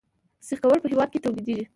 سیخ ګول په هیواد کې تولیدیږي